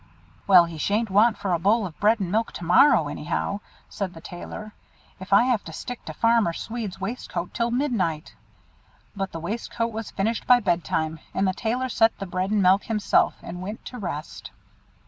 "Well, he sha'n't want for a bowl of bread and milk to morrow, anyhow," said the Tailor, "if I have to stick to Farmer Swede's waistcoat till midnight." But the waistcoat was finished by bed time, and the Tailor set the bread and milk himself, and went to rest.